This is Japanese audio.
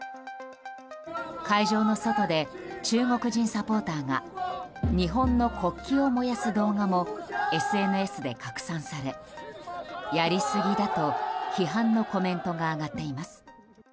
会場の外で中国人サポーターが日本の国旗を燃やす動画もＳＮＳで拡散されやりすぎだと批判のコメントが上がっています。